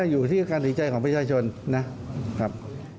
ก็แค่อยู่ที่การเสียใจของประชาชนนะครับ